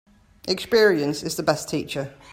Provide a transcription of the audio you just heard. Experience is the best teacher.